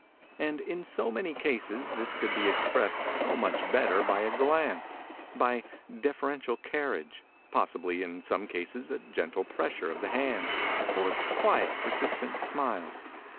And in so many cases this could be expressed so much better by a glance, a deferential carriage, possibly in some cases a gentle pressure of the hand, or a quiet persistent smile.